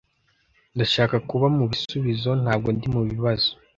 Ndashaka kuba mubisubizo, ntabwo ndi mubibazo.